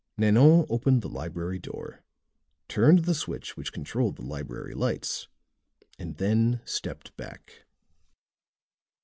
Nanon opened the library door, turned the switch which controlled the library lights, and then stepped back.